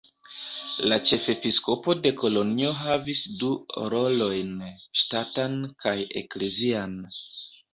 La ĉefepiskopo de Kolonjo havis du rolojn: ŝtatan kaj eklezian.